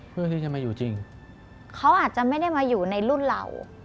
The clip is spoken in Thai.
เพื่อนที่จะมาอยู่จริง